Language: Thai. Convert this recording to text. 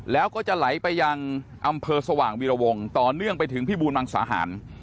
แล้วก็จะไหลไปยังอำเภอสว่างวีรวงต่อเนื่องไปถึงพี่บูรมังสาหาร